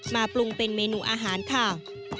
ปรุงเป็นเมนูอาหารค่ะ